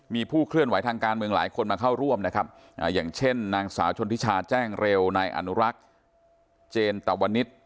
มีผู้เคลื่อนไหวทางการเมืองหลายคนมาเข้าร่วมนะครับอย่างเช่นนางสาวชนทิชาแจ้งเร็วนายอนุรักษ์เจนตวนิษฐ์